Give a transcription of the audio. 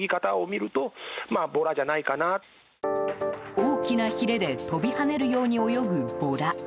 大きなヒレで飛び跳ねるように泳ぐボラ。